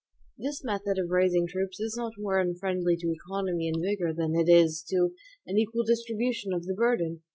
This method of raising troops is not more unfriendly to economy and vigor than it is to an equal distribution of the burden.